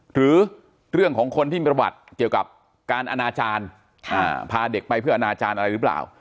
หรือเรื่องของคนที่มีประวัติเกี่ยวกับการอนาจารย์พาเด็กไปเพื่ออนาจารย์อะไรหรือเปล่า